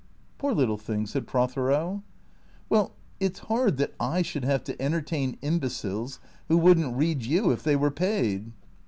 " Poor little thing," said Prothero. ," Well — it 's hard that I should have to entertain imbeciles who would n't read you if they were paid."